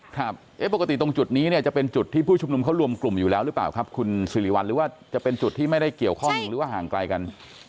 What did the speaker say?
เอ๊ะปกติตรงจุดนี้เนี่ยจะเป็นจุดที่ผู้ชุมนุมเขารวมกลุ่มอยู่แล้วหรือเปล่าครับคุณสิริวัลหรือว่าจะเป็นจุดที่ไม่ได้เกี่ยวข้องหรือว่าห่างไกลกัน